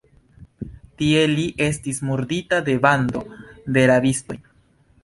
Tie li estis murdita de bando de rabistoj.